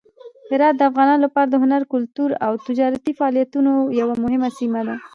هرات د افغانانو لپاره د هنر، کلتور او تجارتي فعالیتونو یوه مهمه سیمه ده.